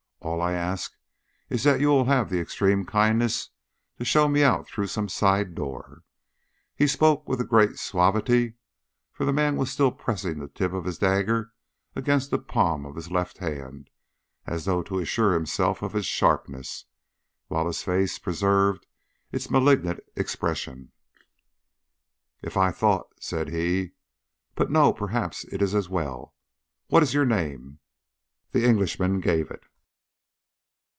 All I ask is that you will have the extreme kindness to show me out through some side door." He spoke with great suavity, for the man was still pressing the tip of his dagger against the palm of his left hand, as though to assure himself of its sharpness, while his face preserved its malignant expression. "If I thought " said he. "But no, perhaps it is as well. What is your name?" The Englishman gave it.